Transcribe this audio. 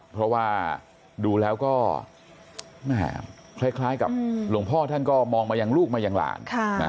เพราะว่าดูแล้วก็คล้ายกับหลวงพ่อท่านก็มองมายังลูกมายังหลาน